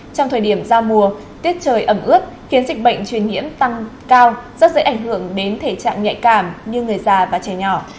trong thời điểm giao mùa tiết trời ẩm ướt khiến dịch bệnh truyền nhiễm tăng cao rất dễ ảnh hưởng đến thể trạng nhạy cảm như người già và trẻ nhỏ